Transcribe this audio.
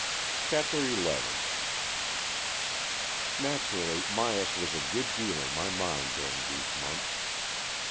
CHAPTER XI Naturally, Myas was a good deal in my mind during these months.